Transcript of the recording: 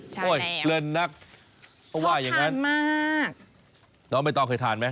ใช่แล้วชอบทานมากเพราะว่าอย่างนั้นน้องใบตองเคยทานไหม